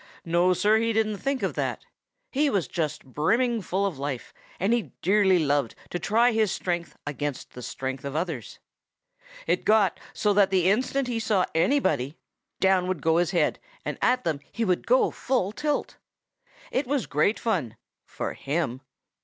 No, Sir, he didn't think of that. He was just brimming full of life, and he dearly loved to try his strength against the strength of others. It got so that the instant he saw anybody, down would go his head and at them he would go full tilt. "It was great fun for him.